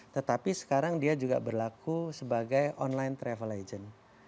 tetapi sekarang dia juga berlaku sebagai online travel agent